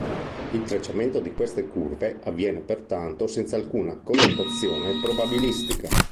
Il tracciamento di queste curve avviene pertanto senza alcuna connotazione probabilistica.